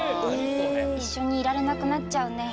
一緒にいられなくなっちゃうね。